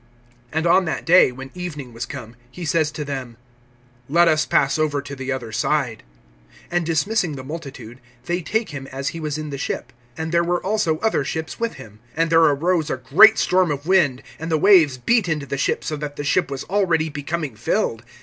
(35)And on that day, when evening was come, he says to them: Let us pass over to the other side. (36)And dismissing the multitude, they take him as he was in the ship. And there were also other ships with him. (37)And there arose a great storm of wind, and the waves beat into the ship, so that the ship was already becoming filled.